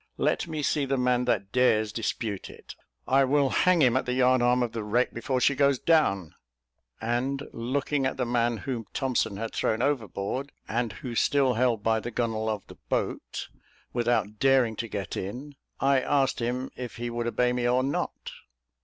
Let me see the man that dares dispute it I will hang him at the yard arm of the wreck before she goes down;" and, looking at the man whom Thompson had thrown overboard, and who still held by the gunwale of the boat, without daring to get in, I asked him if he would obey me or not?